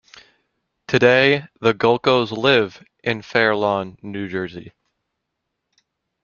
Today the Gulkos live in Fair Lawn, New Jersey.